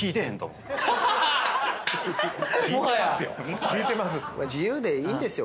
もはや⁉自由でいいんですよ